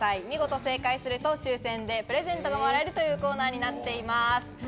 見事正解すると抽選でプレゼントがもらえるというコーナーになっています。